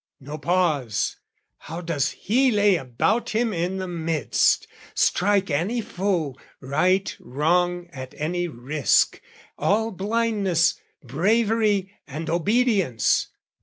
no pause, How does he lay about him in the midst, Strike any foe, right wrong at any risk, All blindness, bravery and obedience!